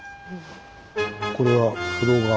これは風呂川。